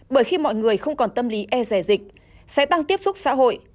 bởi khi mọi người không còn tâm lý e rẻ dịch sẽ tăng tiếp xúc xã hội